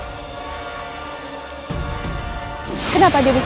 kenapa dia bisa menurutkan tanda lahirku